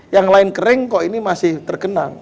yang lain kering kok ini masih terkenang